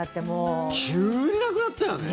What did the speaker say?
急になくなったよね。